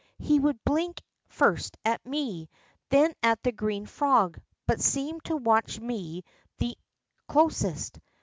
He would blink first at me, then at the green frog, hut seemed to watch me the closest.